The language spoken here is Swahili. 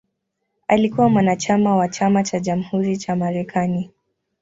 Alikuwa mwanachama wa Chama cha Jamhuri cha Marekani.